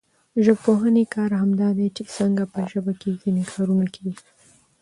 د ژبپوهني کار همدا دئ، چي څنګه په ژبه کښي ځیني کارونه کېږي.